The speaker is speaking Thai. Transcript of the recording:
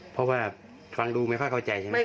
เพราะว่าฟังดูไม่ค่อยเข้าใจใช่ไหม